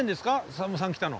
さんまさん来たの。